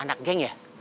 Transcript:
anak geng ya